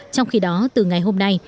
trong khi đó từ ngày hôm nay